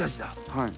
はい。